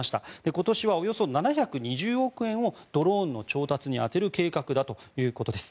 今年はおよそ７２０億円をドローンの調達に充てる計画だということです。